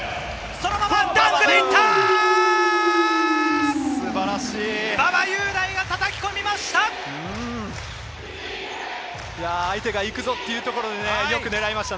そのままダンクに行った！